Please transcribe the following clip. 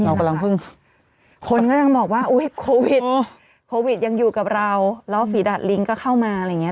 เรากำลังพึ่งคนก็ยังบอกว่าอุ้ยโควิดโควิดยังอยู่กับเราแล้วฝีดาดลิงก็เข้ามาอะไรอย่างเงี้